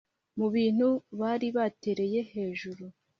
Mu bintu bari batereye hejuru